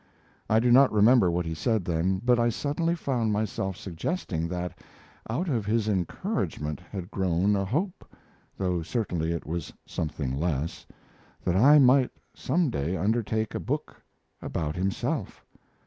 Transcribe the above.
I do not remember what he said then, but I suddenly found myself suggesting that out of his encouragement had grown a hope though certainly it was something less that I might some day undertake a book about himself.